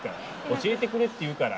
教えてくれって言うから。